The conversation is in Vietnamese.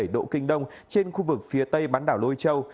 một trăm linh chín bảy độ kinh đông trên khu vực phía tây bán đảo lôi châu